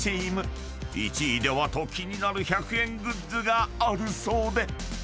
［１位では？と気になる１００円グッズがあるそうで］